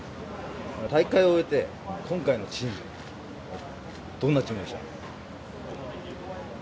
大会を終えて今回のチームどんなチームでした？